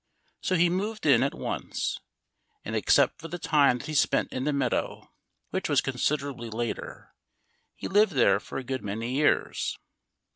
So he moved in at once. And except for the time that he spent in the meadow—which was considerably later—he lived there for a good many years.